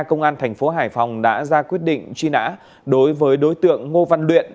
công an thành phố hải phòng đã ra quyết định truy nã đối với đối tượng ngô văn luyện